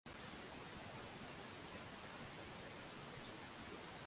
bahari ya Pasifiki Ni jimbo la hamsini na la